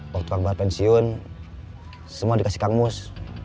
waktu kang bal pensiun semua dikasih kang mus